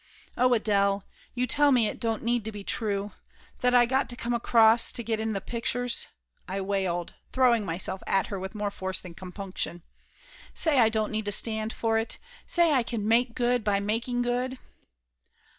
"Oh, Adele you tell me it don't need to be true! that I got to come across to get into the pictures!" I wailed, throwing myself at her with more force than compunction. "Say I don't need to stand for it. Say I can make good by making good